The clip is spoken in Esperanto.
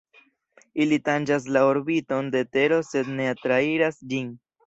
Ili tanĝas la orbiton de Tero sed ne trairas ĝin.